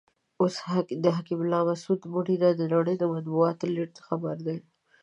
اوس د حکیم الله مسود مړینه د نړۍ د مطبوعاتو لیډ خبر دی.